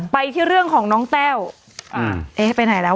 ไปที่เรื่องของน้องแต้วไปไหนแล้ว